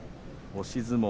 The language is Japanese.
押し相撲。